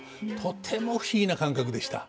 とても不思議な感覚でした。